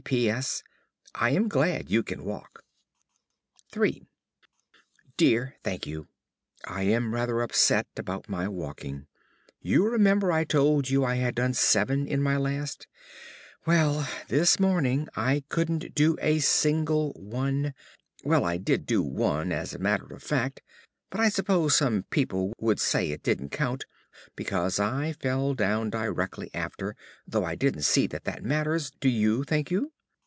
~ P. P. S. I am glad you can walk. III Dear Thankyou, I am rather upset about my walking. You remember I told you I had done seven in my last? Well, this morning I couldn't do a single one! Well, I did do one, as a matter of fact, but I suppose some people would say it didn't count, because I fell down directly after, though I don't see that that matters, do you, Thankyou?